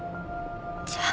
じゃあ。